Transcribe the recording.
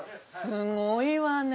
すごいわね。